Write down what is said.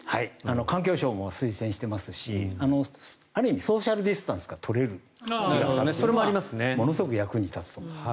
環境省も推薦していますしある意味、ソーシャル・ディスタンスが取れるものすごく役に立つと。